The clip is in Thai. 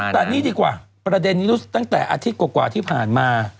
แต่นี่ดีกว่าประเด็นนี้ตั้งแต่อาทิตย์กว่าที่ผ่านมา